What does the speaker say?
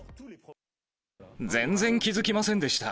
全然気付きませんでした。